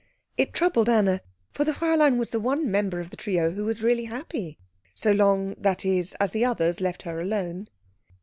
It troubled Anna, for the Fräulein was the one member of the trio who was really happy so long, that is, as the others left her alone.